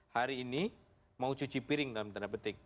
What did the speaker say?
hari ini mau cuci piring dalam tanda petik